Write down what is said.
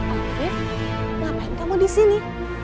oke ngapain kamu di sini